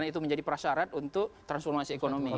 itu menjadi prasyarat untuk transformasi ekonomi